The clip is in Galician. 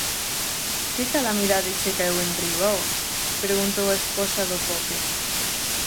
-Que calamidade che caeu enriba, ho? -preguntou a esposa do pope.